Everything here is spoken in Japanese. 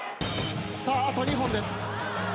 さああと２本です。